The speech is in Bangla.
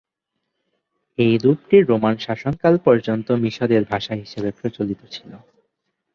এই রূপটি রোমান শাসনকাল পর্যন্ত মিশরের সাহিত্যের ভাষা হিসেবে প্রচলিত ছিল।